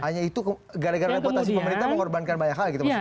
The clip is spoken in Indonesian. hanya itu gara gara reputasi pemerintah mengorbankan banyak hal gitu maksudnya